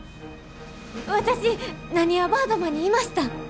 私なにわバードマンにいました！